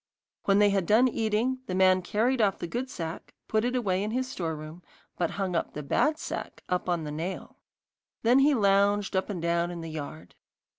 When they had done eating, the man carried off the good sack, and put it away in his store room, but hung the bad sack up on the nail. Then he lounged up and down in the yard.